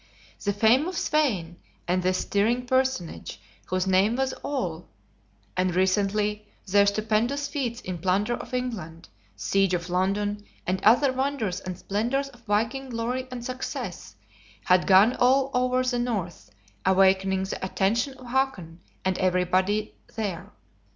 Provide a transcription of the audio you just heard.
The fame of Svein, and this stirring personage, whose name was "Ole," and, recently, their stupendous feats in plunder of England, siege of London, and other wonders and splendors of viking glory and success, had gone over all the North, awakening the attention of Hakon and everybody there.